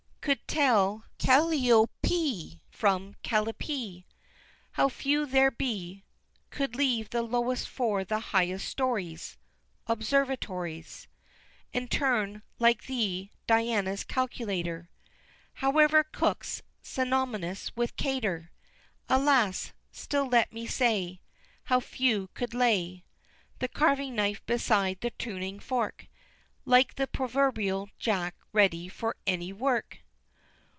Could tell Calliope from "Callipee!" How few there be Could leave the lowest for the highest stories, (Observatories,) And turn, like thee, Diana's calculator, However cook's synonymous with Kater! Alas! still let me say, How few could lay The carving knife beside the tuning fork, Like the proverbial Jack ready for any work!